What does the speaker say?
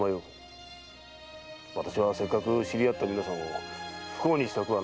私はせっかく知り合った皆さんを不幸にしたくはないのだ。